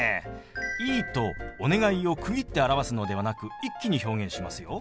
「いい」と「お願い」を区切って表すのではなく一気に表現しますよ。